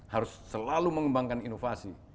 harus selalu mengembangkan inovasi